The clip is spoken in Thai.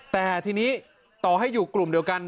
แต่ทีนี้ต่อให้อยู่กลุ่มเดียวกัน